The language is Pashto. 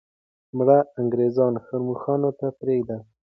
مړه انګریزان ښرموښانو ته پرېږده.